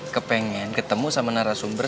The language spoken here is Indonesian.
kepengen ketemu sama narasumber